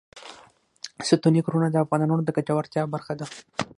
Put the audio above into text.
ستوني غرونه د افغانانو د ګټورتیا برخه ده.